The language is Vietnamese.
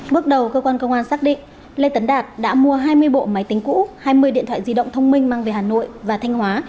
bước đầu cơ quan công an xác định lê tấn đạt đã mua hai mươi bộ máy tính cũ hai mươi điện thoại di động thông minh mang về hà nội và thanh hóa